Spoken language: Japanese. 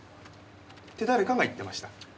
って誰かが言ってました。